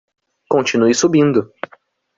Continue subindo